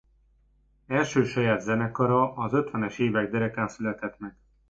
Első saját zenekara az ötvenes évek derekán született meg.